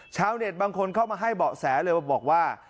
ชาวเน็ตบางคนเข้ามาให้เบาะแสเลยบอกว่า